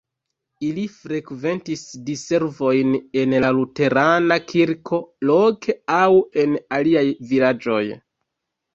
Ili frekventis diservojn en la luterana kirko loke aŭ en aliaj vilaĝoj.